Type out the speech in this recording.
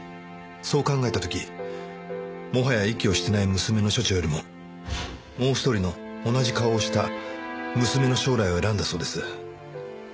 そう考えた時もはや息をしてない娘の処置よりももう一人の同じ顔をした娘の将来を選んだそうです。